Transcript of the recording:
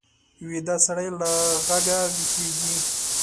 ویده سړی له غږه ویښېږي